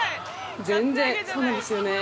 全然そうなんですよねー。